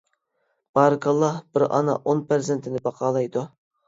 بارىكاللا بىر ئانا ئون پەرزەنتىنى باقالايدۇ.